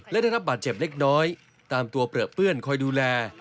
และได้รับบาดเจ็บเล็กน้อยตามตัวเปลือเปื้อนคอยดูแล